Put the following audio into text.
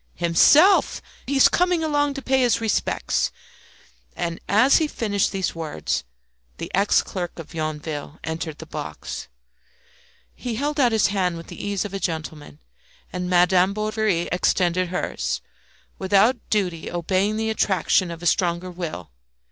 "Himself! He's coming along to pay his respects." And as he finished these words the ex clerk of Yonville entered the box. He held out his hand with the ease of a gentleman; and Madame Bovary extended hers, without doubt obeying the attraction of a stronger will.